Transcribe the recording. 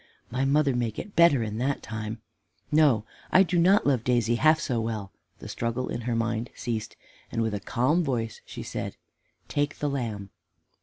My mother may get better in that time. No, I do not love Daisy half so well." The struggle in her mind ceased, and with a calm voice she said, "Take the lamb."